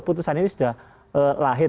putusan ini sudah lahir